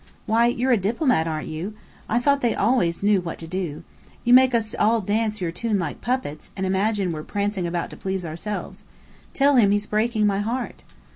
"Why, you're a diplomat, aren't you? I thought they always knew what to do. You make us all dance to your tune like puppets, and imagine we're prancing about to please ourselves. Tell him he's breaking my heart."